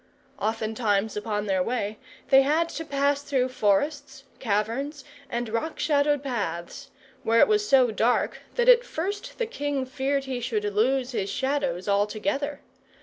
Oftentimes upon their way they had to pass through forests, caverns, and rock shadowed paths, where it was so dark that at first the king feared he should lose his Shadows altogether.